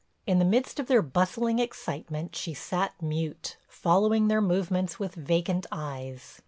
In the midst of their bustling excitement she sat mute, following their movements with vacant eyes.